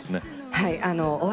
はい。